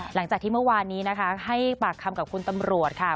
หลังจากที่เมื่อวานนี้นะคะให้ปากคำกับคุณตำรวจค่ะ